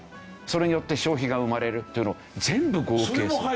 それによって消費が生まれるっていうのを全部合計する。